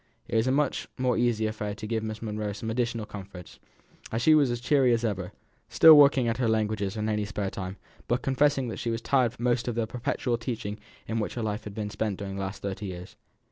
It was a much more easy affair to give Miss Monro some additional comforts; she was as cheerful as ever; still working away at her languages in any spare time, but confessing that she was tired of the perpetual teaching in which her life had been spent during the last thirty years.